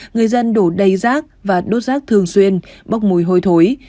người dân đổ đầy rác và đốt rác thường xuyên bốc mùi hôi thối